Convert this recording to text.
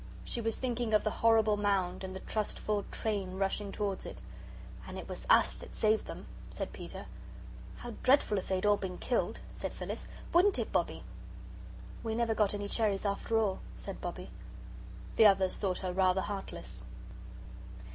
She was thinking of the horrible mound, and the trustful train rushing towards it. "And it was US that saved them," said Peter. "How dreadful if they had all been killed!" said Phyllis; "wouldn't it, Bobbie?" "We never got any cherries, after all," said Bobbie. The others thought her rather heartless.